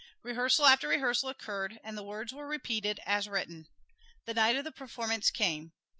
Rehearsal after rehearsal occurred, and the words were repeated as written. The night of the performance came.